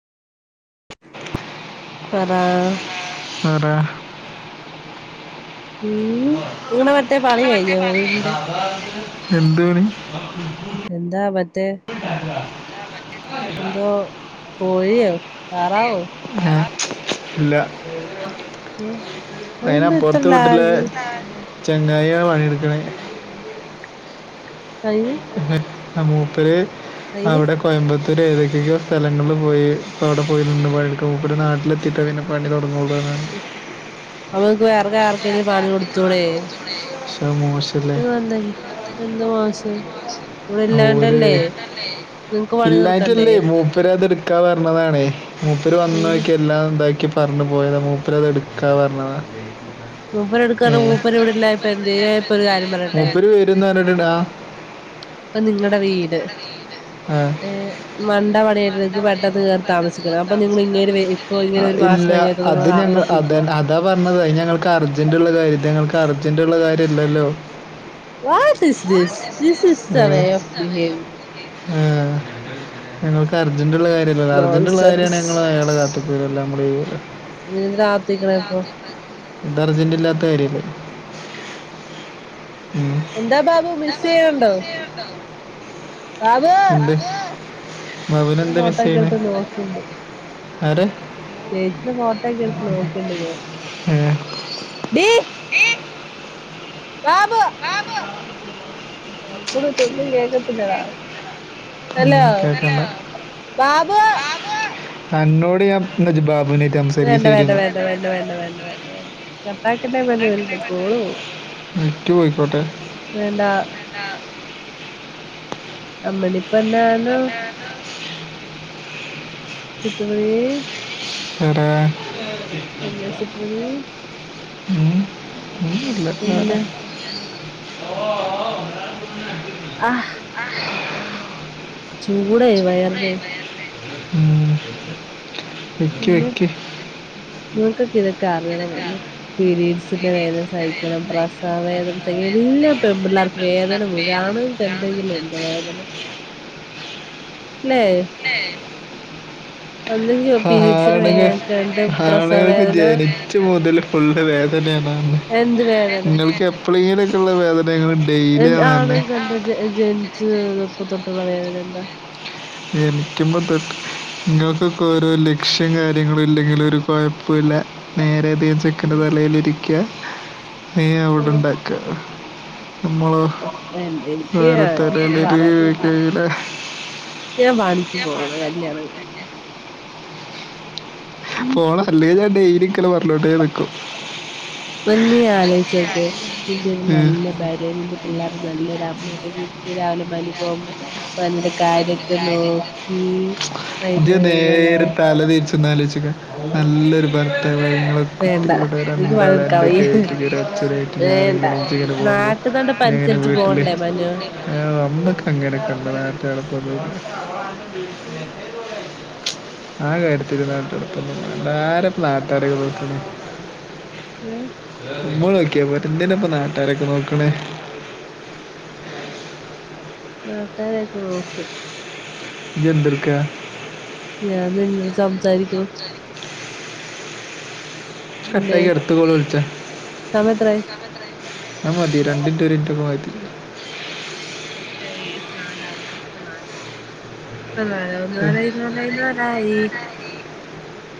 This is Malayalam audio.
പറ പറാ ഉം നിങ്ങടെ മറ്റെ പണി കഴിഞ്ഞോ വീടിന്റെ എന്തു പണി ത്തെ എന്തോ കോഴിയോ താറാവോ ആ ഇല്ല മ് അതെന്താ ഇത്ര ലാഗ് ചെങ്ങായിയാ പണിയെടുക്കണേ അയിന് മൂപ്പര് അയിന് അവിടെ കോയമ്പത്ത് മൂപ്പര് ഏതൊക്കൊക്കെയോ സ്ഥലങ്ങളില് പോയി ഇപ്പൊ അവിടെ പോയിട്ടുണ്ട് പണിയെടുക്കാൻ മൂപ്പര് നാട്ടിലെത്തിയിട്ടേ പിന്നെ പണി തൊടങ്ങുള്ളൂന്ന് പർഞ്ഞാണ്ട് അപ്പൊ നിങ്ങക്ക് വേറൊരാർക്കേലും പണി കൊടുത്തൂടേ പക്ഷെ മോശല്ലേ നിങ്ങളെന്താ എന്തു മോശം ഇവിടെ ഓര് ഇല്ലാണ്ടല്ലേ നിങ്ങക്ക് പണി തീർക്കണ്ടേ ഇല്ലായിട്ടല്ലേ മൂപ്പരതെടു ത്തി പർഞ്ഞതാണെ മൂപ്പര് അയിന് വന്നോക്കി എല്ലാം എന്താ ക്കി പറഞ്ഞു പോയതാ മൂപ്പര് അത് എടുക്കാ പറഞ്ഞതാ മൂപ്പര് എടുക്കാ ന്നർഞ്ഞ് ഏ മൂപ്പര് ഇവിടില്ലാതിപ്പൊ എന്ത് ചെയ്യും ഞാനപ്പൊ ഒരു കാര്യം പറയട്ടെ മൂപ്പര് വരും എന്ന് പറഞ്ഞിട്ടുണ്ട് ആ ഇപ്പം നിങ്ങടെ വീട് ഏ മം നിങ്ങൾ ഇങ്ങനെ ഇപ്പൊ അ ഇങ്ങനെ ഒരു ഇല്ല മാസം കഴിഞ്ഞാൽ നിങ്ങൾ അത് ഞങ്ങള് അതാ നോക്കിയിരിക്കോ അതാ പറഞ്ഞത് അത് ഞങ്ങൾക്ക് അർജന്റുള്ള കാര്യ ഞങ്ങൾക്ക് അർജന്റുള്ള കാര്യല്ലല്ലോ what is this this is the way of behave ആ ഞങ്ങൾക്ക് തർ അർജന്റുള്ള കാര്യല്ലല്ലൊ അർജൻ്റുള്ള കാര്യാണേൽ ഞങ്ങളയാളെ കാത്ത് ഇല്ലാം കൂടി അതിനെന്തിനാ രാത്തിക്കണ ഇപ്പൊ ഇത് അർജന്റല്ലാത്ത കാര്യല്ലേ എന്താ ബാബു മിസ് [inaudible] ബാബൂ എന്ത് മകൻ ത്തിരി എന്താ മിസ് ഫോട്ടോക്കെ ചെയ്യണേ എടുത്ത് നോക്കണ്ട് ആരെ ചേച്ചിന്റെ ഫോട്ടോയക്കെ എടുത്ത് നോക്കണ്ട ഏ, ബാബു ർപ്പട ചക്ക് ഒന്നും കേക്കത്തില്ലടാ ഹലോ ഉം, കേക്കണ്ട ബാബു തനോട് ഞാൻ നജബാബു വേണ്ട വേണ്ട വേണ്ട വേണ്ട വേണ്ട വേണ്ട വേണ്ട കട്ടാക്കട്ടേ പറഞ്ഞു വലുത് കോളു പോവും വിറ്റു പോയിക്കോട്ടെ അമ്മണി പൊന്നാണോ സുത്തുമണി ശ്ശെടാ ചുറ്റുമണി ഉം ഒന്നും ഇല്ല വേറെ പിന്നെ ഓഓ ആ് ചൂടെ വയറുതെ ഉം വെക്ക് വെക്ക് നിങ്ങൾക്കൊക്കെ ഇതൊക്കെ അറിയണംമെന്നു പീരീഡ്സ് അച്ഛന്റെ വേദന സഹിക്കണം പ്രസവവേദന സഹിക്കണം എല്ലാപെമ്പിള്ളേർക്കും വേദന മുഴാണ് എന്തെങ്കിലും എന്തോ വേദന ഇല്ലേ പീരീഡ്സിന്റെ വേദന ഞങ്ങക്ക്ണ്ട് പ്രസവ ഹണുകൾഹാണുകൾക്ക് വേദന ജനിച്ചു മുതൽ ഫുള്ള് വേദനയാണ് നിങ്ങക്ക് എപ്പഴ ഇങ്ങനെ എ ആണ് ഗധ ജ ജനിച്ചപ്പ തൊട്ട് ട്ടുള്ള വേദന എന്താ? ജനിക്കുമ്പോ തൊട്ട് നിങ്ങൾക്കൊക്കെ ഓരോ ലെക്ഷ്യോം കാര്യങ്ങളും ഇല്ലെങ്കിലും ഒരു കൊയോപ്പല്ല നേരെ ചെക്കന്റെ തലേലിരി [unintelligible] നീ അവിടെണ്ടാക്കാ. നമ്മള് എനിക്ക് അത് പറയുന്നില്ല [unintelligible] ഞാൻ വാണിക്ക് പോണ് കല്യാണം കഴി പിന്നെ പോണം അല്ലെ ഞാൻ ഡെയിലി ക്കല് പറഞ്ഞോണ്ടേ നിക്കും. പിന്നെ ആലോച്ചോക്കെ നിന്റെ ഒരു നല്ല ഭാര്യ ന്റെ പിള്ളേർ നല്ലൊരമ്മ മ്മടെ വീട്ടിക്ക് രാവിലെ [unintelligible] പോമ്പോ [unintelligible] ഇജ്ജ് വൈകുന്നേരം നേരെ വരുമ്പോ തല തിരിച്ചുന്നലോച്ചിക്ക നല്ലോരു ബർത്ത നമ്മൾ വേണ്ട കുട്ടികളുടെ എനിക്ക് രണ്ടാൾ പണിയെടുക്കാൻ എൻ്റെ വയ്യ ക ആട്ടി ക ഒരു അച്ഛനായിട്ട് വേണ്ട ഞാനിങ്ങനെ ചച്ചി ഇങ്ങനെ പോകുമ്പോൾ നാട്ടു നടപ്പ് ഇങ്ങനെ അനുസരിച്ച് വീട്ടിൽ പോണ്ടേ മനു നമ്മളൊക്കെ അങ്ങനെയൊക്കെ ഉണ്ട നാട്ടുനട [unintelligible] ഉം ആ കാര്യത്തില് നാട്ടടപ്പൊന്നും വേണ്ട ആരാ ഇപ്പോ നാട്ടാരെക്കെ നോക്കുന്നേ മ്മളൊ കേ വരുന്നന്തിനാ ഇപ്പൊ നാട്ടാരൊക്കെ നോക്കണേ ആഹ് നട്ടരെക്കെ നോക്ക് ഇന്തർക്ക ഞാൻ നിന്നട് സംസാരിക്കണു. എന്തേ കട്ടായി അടുത്ത കോൾ വിളിച്ച സമയം എത്രായി ആ മതി രണ്ട് മിനുട്ട് ഒരു മിനിറ്റ് ഒകെ മതി റ്റയി നാലാവട്ടെ ഇപ്പ നാലവും. ഇപ്പ നാലാവും ഏ നാലായി നാലായി നാലായി